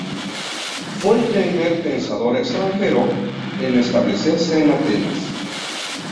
Fue el primer pensador extranjero en establecerse en Atenas.